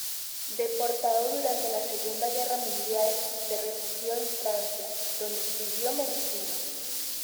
Deportado durante la Segunda Guerra Mundial, se refugió en Francia, donde estudió medicina.